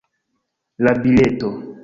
La bileto